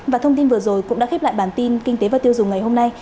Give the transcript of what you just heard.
và thông tin vừa rồi cũng đã khép lại bản tin kinh tế và tiêu dùng ngày hôm nay